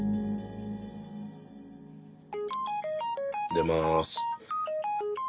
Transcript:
出ます。